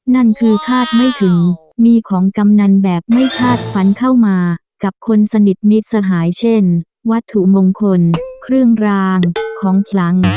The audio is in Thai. นั่นคือคาดไม่ถึงมีของกำนันแบบไม่คาดฝันเข้ามากับคนสนิทมิตรสหายเช่นวัตถุมงคลเครื่องรางของคลัง